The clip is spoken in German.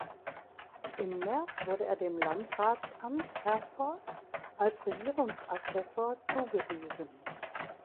Im März wurde er dem Landratsamt Herford als Regierungsassessor zugewiesen.